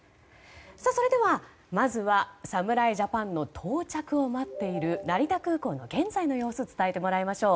それでは、まずは侍ジャパンの到着を待っている成田空港の現在の様子伝えてもらいましょう。